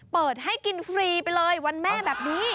เปิดให้กินฟรีไปเลยวันแม่แบบนี้